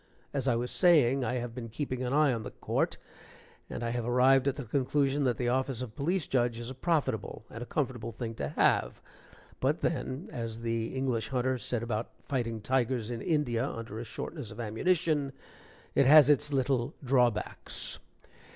As I was saying, I have been keeping an eye on that court, and I have arrived at the conclusion that the office of Police Judge is a profitable and a comfortable thing to have, but then, as the English hunter said about fighting tigers in India under a shortness of ammunition, "It has its little drawbacks."